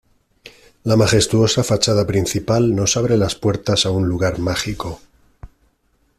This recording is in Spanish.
La majestuosa fachada principal nos abre las puertas a un lugar mágico.